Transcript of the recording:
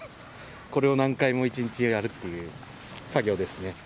これを何回も、一日中やるっていう作業ですね。